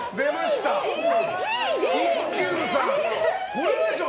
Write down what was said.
これでしょう。